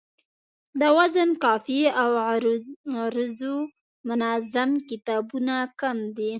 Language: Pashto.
د وزن، قافیې او عروضو منظم کتابونه کم دي